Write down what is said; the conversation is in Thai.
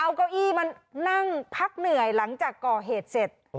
เอาเก้าอี้มานั่งพักเหนื่อยหลังจากก่อเหตุเสร็จ